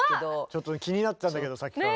ちょっと気になってたんだけどさっきから。